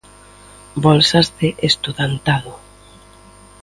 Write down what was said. Bolsas de estudantado.